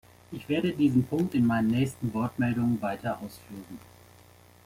Ich werde diesen Punkt in meinen nächsten Wortmeldungen weiter ausführen.